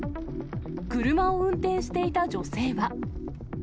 車を運転していた女性は。